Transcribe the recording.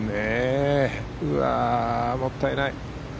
うわあ、もったいない。